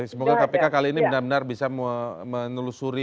semoga kpk kali ini benar benar bisa menelusuri